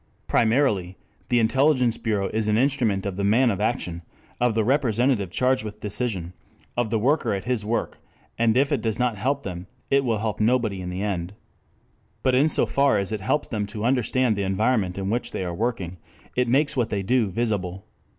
Primarily, the intelligence bureau is an instrument of the man of action, of the representative charged with decision, of the worker at his work, and if it does not help them, it will help nobody in the end. But in so far as it helps them to understand the environment in which they are working, it makes what they do visible.